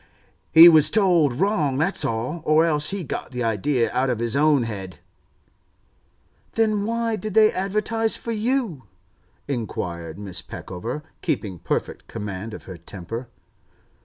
'He was told wrong, that's all, or else he got the idea out of his own head.' 'Then why did they advertise for you?' inquired Mrs. Peckover, keeping perfect command of her temper.